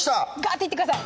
ッていってください